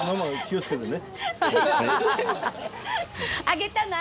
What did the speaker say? あげたの？